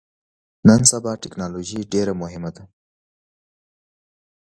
نن سبا ټکنالوژي ډیره مهمه ده